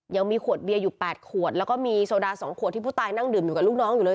ยังมีขวดเบียร์อยู่๘ขวดแล้วก็มีโซดา๒ขวดที่ผู้ตายนั่งดื่มอยู่กับลูกน้องอยู่เลย